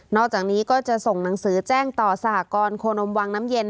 อกจากนี้ก็จะส่งหนังสือแจ้งต่อสหกรโคนมวังน้ำเย็น